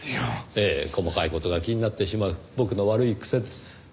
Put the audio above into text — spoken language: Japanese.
ええ細かい事が気になってしまう僕の悪い癖です。